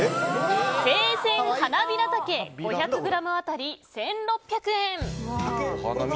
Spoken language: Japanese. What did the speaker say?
生鮮はなびらたけ５００ｇあたり１６００円。